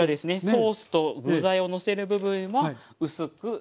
ソースと具材をのせる部分は薄くしています。